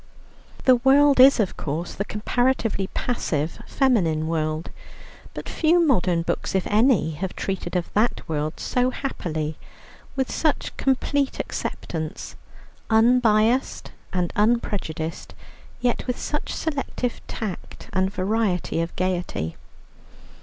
The world is, of course, the comparatively passive feminine world, but few modern books (if any) have treated of that world so happily, with such complete acceptance, unbiassed and unprejudiced, yet with such selective tact and variety of gaiety.